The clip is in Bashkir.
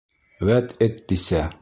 Вәт эт бисә!..